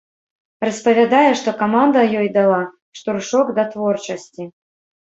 Распавядае, што каманда ёй дала штуршок да творчасці.